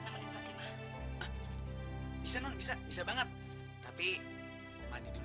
lagi ada syuting di sini deh